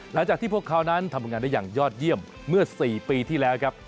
หลังจากที่พวกเขานั้นทำงานได้อย่างยอดเยี่ยมเมื่อ๔ปีที่แล้วครับ